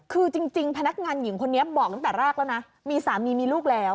คือจริงพนักงานหญิงคนนี้บอกตั้งแต่แรกแล้วนะมีสามีมีลูกแล้ว